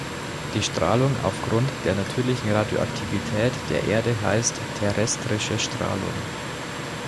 Die Strahlung aufgrund der natürlichen Radioaktivität der Erde heißt terrestrische Strahlung.